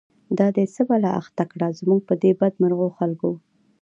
دا دی څه بلا اخته کړه، زموږ په دی بد مرغو خلکو